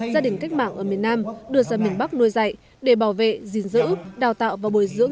gia đình cách mạng ở miền nam đưa ra miền bắc nuôi dạy để bảo vệ gìn giữ đào tạo và bồi dưỡng